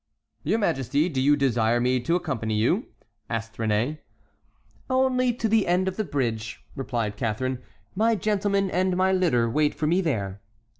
"Your majesty, do you desire me to accompany you?" asked Réné. "Only to the end of the bridge," replied Catharine; "my gentlemen and my litter wait for me there."